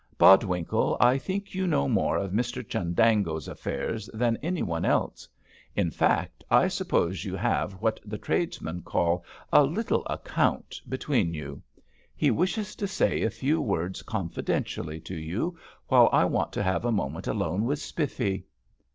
Bodwinkle, I think you know more of Mr Chundango's affairs than any one else; in fact, I suppose you have what the tradesmen call 'a little account' between you. He wishes to say a few words confidentially to you, while I want to have a moment alone with Spiffy."